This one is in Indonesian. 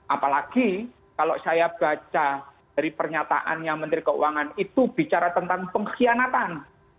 apalagi kalau saya baca dari pernyataannya menteri keuangan itu bicara tentang pengkhianatan